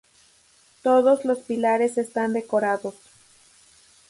Todos los pilares están decorados.